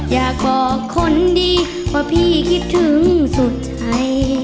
อยากบอกคนดีว่าพี่คิดถึงสุดใจ